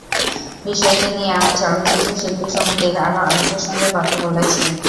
বিষয়টি নিয়ে আমি চলচ্চিত্র শিল্পী সমিতির আরও অনেকের সঙ্গে কথা বলেছি।